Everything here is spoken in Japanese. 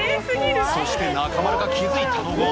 そして中丸が気付いたのは。